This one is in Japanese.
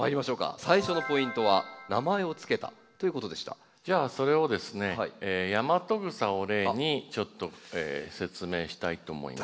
最初のポイントはじゃあそれをですねヤマトグサを例にちょっと説明したいと思います。